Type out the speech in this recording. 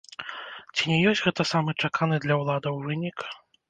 Ці не ёсць гэта самы чаканы для ўладаў вынік?